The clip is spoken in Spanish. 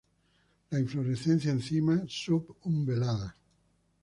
Las inflorescencias en cimas sub-umbeladas.